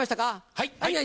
はい。